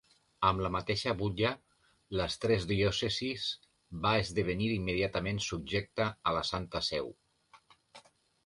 Amb la mateixa butlla les tres diòcesis va esdevenir immediatament subjecta a la Santa Seu.